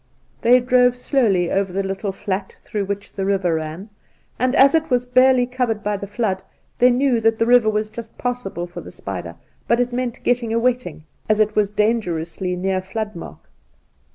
They drove slowly over the little flat through which the river ran, and as that was barely covered by the flood they knew that the river was just passable for the spider, but it meant getting a wetting as it was dangerously near flood mark.